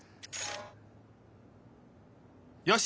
よし！